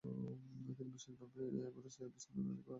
তিনি বিশেষ করে অ্যাভেরোস, অ্যাভিসেনা, রাজি এবং তুসির কাজ অধ্যয়ন করেন।